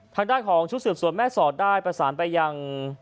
ทางด้านของชุดสืบสวนแม่สอดได้ประสานไปยัง